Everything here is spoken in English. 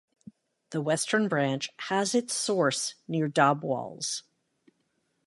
The western branch has its source near Dobwalls.